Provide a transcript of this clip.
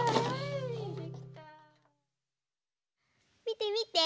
みてみて！